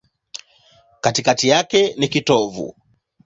Katikati yake ni kitovu.